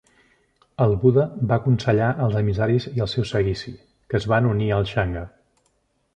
El Buda va aconsellar els emissaris i el seu seguici, que es van unir al "Sangha".